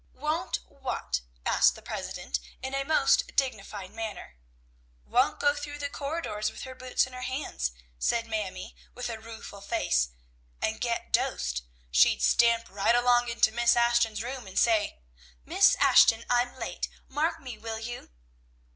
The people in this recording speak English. "Won't what?" asked the president in a most dignified manner. "Won't go through the corridors with her boots in her hands," said Mamie with a rueful face, "and get dosed. She'd stamp right along into Miss Ashton's room, and say, "'Miss Ashton, I'm late. Mark me, will you?'"